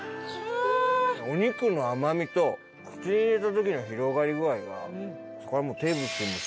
お肉の甘みと口に入れた時の広がり具合がこれはもう。